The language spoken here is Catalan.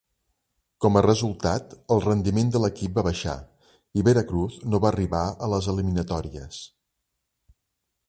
Com a resultat, el rendiment de l'equip va baixar i Veracruz no va arribar a les eliminatòries.